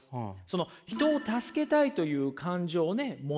その人を助けたいという感情を持つ。